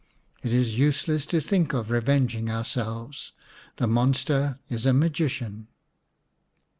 It is useless to think of revenging ourselves, the monster is a magician."